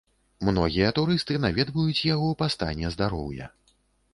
Многія турысты наведваюць яго па стане здароўя.